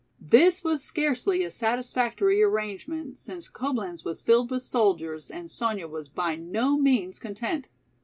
This was scarcely a satisfactory arrangement since Coblenz was filled with soldiers and Sonya was by no means content.